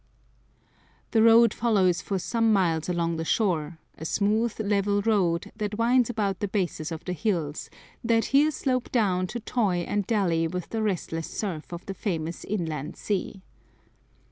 The road follows for some miles along the shore, a smooth, level road that winds about the bases of the hills that here slope down to toy and dally with the restless surf of the famous Inland Sea.